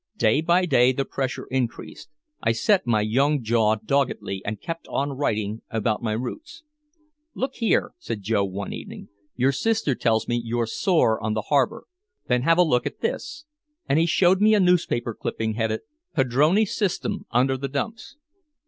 Day by day the pressure increased. I set my young jaw doggedly and kept on writing about my roots. "Look here," said Joe one evening. "Your sister tells me you're sore on the harbor. Then have a look at this." And he showed me a newspaper clipping headed, "Padrone System Under the Dumps."